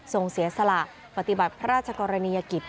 เสียสละปฏิบัติพระราชกรณียกิจ